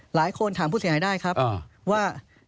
หลายคนถามผู้เสียหายได้ครับว่า